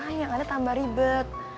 nanti malah yang ada tambah ribet